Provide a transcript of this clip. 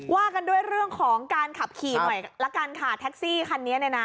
ว่ากันด้วยเรื่องของการขับขี่หน่อยละกันค่ะแท็กซี่คันนี้เนี่ยนะ